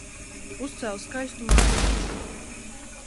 Uzcēla skaistu māju taču.